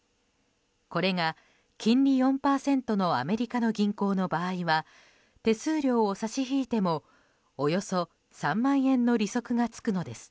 これが、金利４％のアメリカの銀行の場合は手数料を差し引いてもおよそ３万円の利息が付くのです。